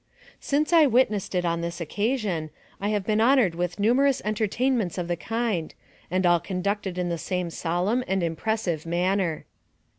Since I witnessed it on this occasion, I have been 8 90 NARRATIVE OF CAPTIVITY honored with numerous entertainments of the kind, and all conducted in the same solemn and impressive manner.